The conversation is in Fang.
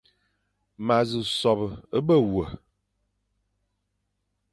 M a nsu sobe ebe we,